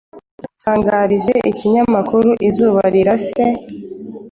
batangarije ikinyamkuru Izuba Rirashe